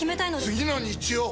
次の日曜！